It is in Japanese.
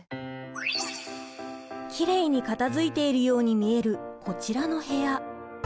きれいに片づいているように見えるこちらの部屋。